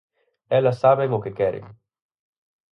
Elas saben o que queren.